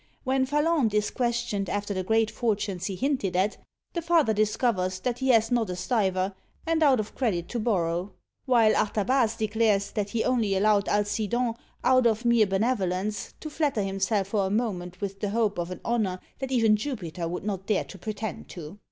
When Phalante is questioned after the great fortunes he hinted at, the father discovers that he has not a stiver, and out of credit to borrow: while Artabaze declares that he only allowed Alcidon, out of mere benevolence, to flatter himself for a moment with the hope of an honour that even Jupiter would not dare to pretend to.